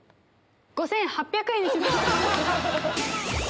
５８００円にします。